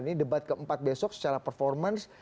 ini debat keempat besok secara performance